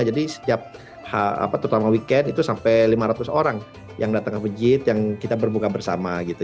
jadi setiap terutama weekend itu sampai lima ratus orang yang datang ke masjid yang kita berbuka bersama gitu